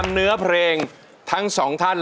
มันสู้ชิ้นงาน